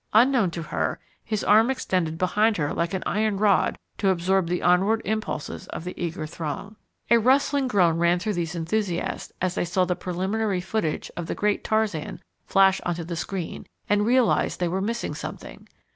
Unknown to her, his arm extended behind her like an iron rod to absorb the onward impulses of the eager throng. A rustling groan ran through these enthusiasts as they saw the preliminary footage of the great Tarzan flash onto the screen, and realized they were missing something.